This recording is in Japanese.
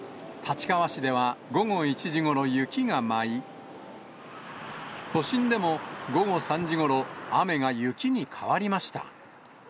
立川市では午後１時ごろ、雪が舞い、都心でも、午後３時ごろ、雨が雪に変わりました。